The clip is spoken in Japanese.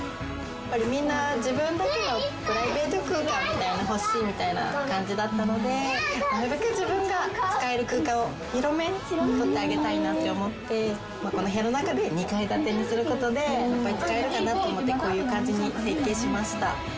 みんな自分だけのプライベート空間みたいなの欲しいみたいな感じだったのでなるべく自分が使える空間を広めに取ってあげたいなって思ってこの部屋の中で２階建てにすることでいっぱい使えるかなと思ってこういう感じに設計しました。